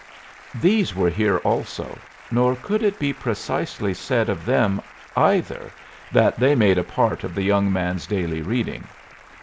These were here also; nor could it be precisely said of them, either, that they made a part of the young man's daily reading.